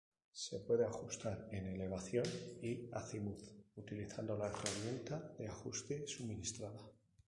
Se puede ajustar en elevación y acimut, utilizando la herramienta de ajuste suministrada.